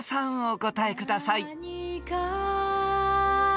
お答えください］